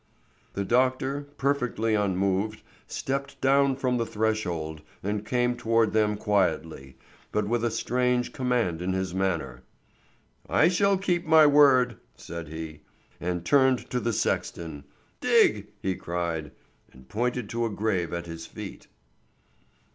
The doctor, perfectly unmoved, stepped down from the threshold and came toward them quietly, but with a strange command in his manner. "I shall keep my word," said he, and turned to the sexton. "Dig!" he cried, and pointed to a grave at his feet.